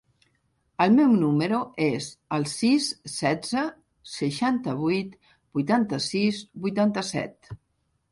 El meu número es el sis, setze, seixanta-vuit, vuitanta-sis, vuitanta-set.